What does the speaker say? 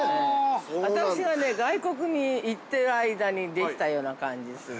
◆私が外国に行ってる間にできたような感じする。